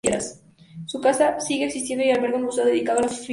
Su casa sigue existiendo y alberga un museo dedicado a su figura.